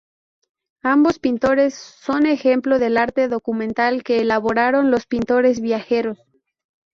Ambos pintores son ejemplo del arte documental que elaboraron los pintores viajeros.